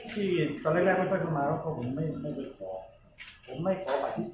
ที่ตอนแรกแรกมันเอามาแล้วเขาผมไม่ไม่ขอ